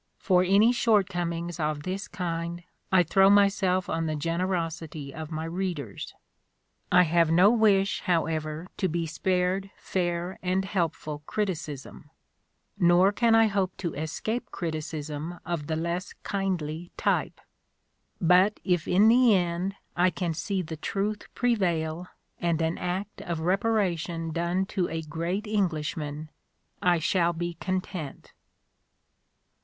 For any shortcomings of this kind I throw myself on the gener osity of my readers. I have no wish, however, to be spared fair and helpful criticism ; nor can I hope to escape criticism of the less kindly type : but if in the end I can see the truth prevail and an act of repara tion done to a great Englishman, I shall be content.